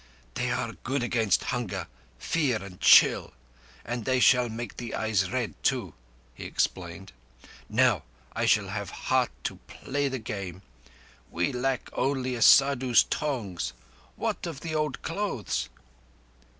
"They are good against hunger, fear, and chill. And they make the eyes red too," he explained. "Now I shall have heart to play the Game. We lack only a Saddhu's tongs. What of the old clothes?"